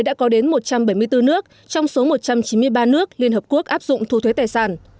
đã có đến một trăm bảy mươi bốn nước trong số một trăm chín mươi ba nước liên hợp quốc áp dụng thu thuế tài sản